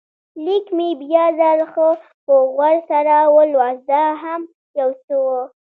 لیک مې بیا ځل ښه په غور سره ولوست، دا هم یو څه و.